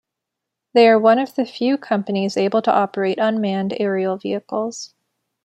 They are one of the few companies able to operate unmanned aerial vehicles.